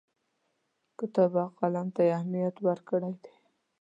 کتاب او قلم ته یې اهمیت ورکړی دی.